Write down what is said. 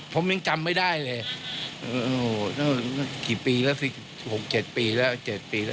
ผมยังจำไม่ได้เลยกี่ปีแล้วสิ๖๗ปีแล้วลูกศิษย์เนี่ย